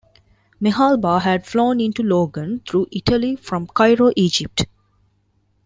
Mehalba had flown into Logan through Italy from Cairo, Egypt.